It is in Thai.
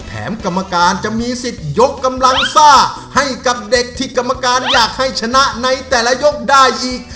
กรรมการจะมีสิทธิ์ยกกำลังซ่าให้กับเด็กที่กรรมการอยากให้ชนะในแต่ละยกได้อีก